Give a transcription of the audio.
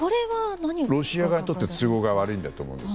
ロシア側にとって都合が悪いんだと思います。